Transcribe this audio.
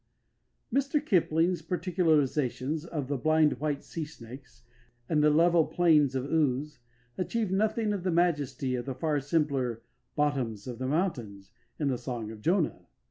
Mr Kipling's particularisations of the "blind white sea snakes" and "level plains of ooze" achieve nothing of the majesty of the far simpler "bottoms of the mountains" in the song of Jonah.